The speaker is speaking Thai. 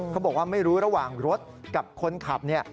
เขาบอกว่าไม่รู้ระหว่างรถกับคนขับเนี่ย